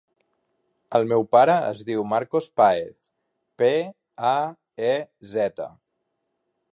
El meu pare es diu Marcos Paez: pe, a, e, zeta.